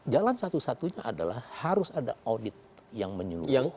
jalan satu satunya adalah harus ada audit yang menyeluruh